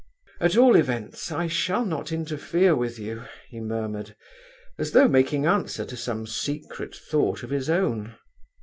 "At all events, I shall not interfere with you!" he murmured, as though making answer to some secret thought of his own.